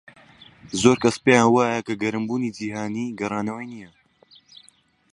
زۆر کەس پێیان وایە کە گەرمبوونی جیهانی گەڕانەوەی نییە.